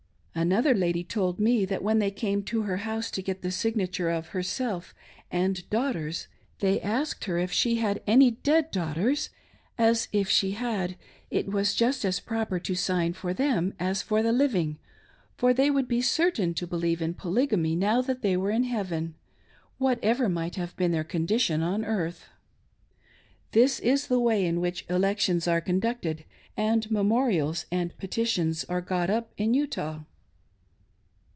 Another lady told me that when they came to her house to get the signature of herself and daughters, they asked her if she had any dead daughters, as, if she had, it was just as proper to sign for them as for the living, for they would be certain to believe in Polygamy now they were in heaven, whatever might have been their condition on earth. This is the way in which elections are conducted, and memorials and petitions are got up in Utah.